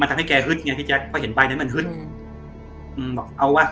ทำให้แกฮึดไงพี่แจ๊คเพราะเห็นใบนั้นมันฮึดอืมบอกเอาวะ